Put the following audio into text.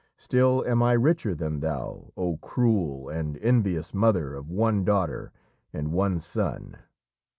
Still am I richer than thou, O cruel and envious mother of one daughter and one son!"